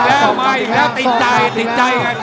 อ้าวอีกแล้วติดใจติดใจอีกแล้ว